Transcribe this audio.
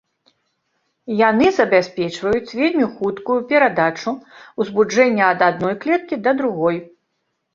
Яны забяспечваюць вельмі хуткую перадачу ўзбуджэння ад адной клеткі да другой.